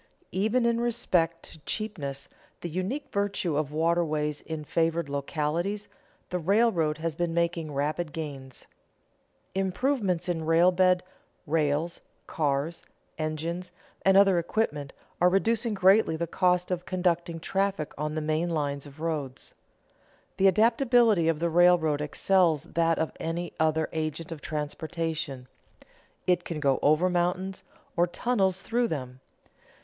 _ Even in respect to cheapness, the unique virtue of waterways in favored localities, the railroad has been making rapid gains. Improvements in roadbed, rails, cars, engines, and other equipment are reducing greatly the cost of conducting traffic on the main lines of roads. The adaptability of the railroad excels that of any other agent of transportation; it can go over mountains or tunnel through them.